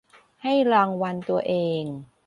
ให้รางวัลตัวเอง